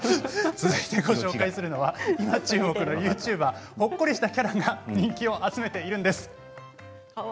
続いてご紹介するのは今、注目のＹｏｕＴｕｂｅｒほっこりしたキャラが人気を集めています。